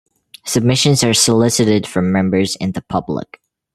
Submissions are solicited from members and the public.